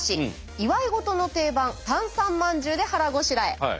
祝い事の定番たんさんまんじゅうで腹ごしらえ。